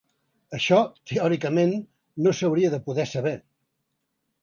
Això, teòricament, no s’hauria de poder saber.